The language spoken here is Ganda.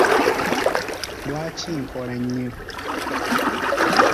Lwaki nkola nnyo?